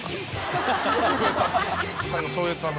最後添えたな。